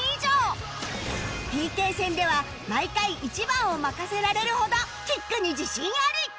ＰＫ 戦では毎回１番を任せられるほどキックに自信あり！